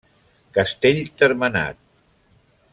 Castell termenat.